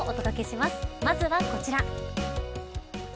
まずは、こちら。